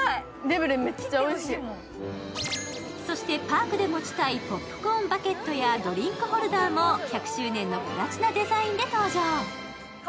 そしてパークで持ちたいポップコーンバケットやドリンクホルダーも１００周年のプラチナデザインで登場。